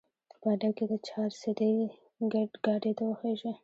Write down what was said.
په اډه کښې د چارسدې ګاډي ته وخېژه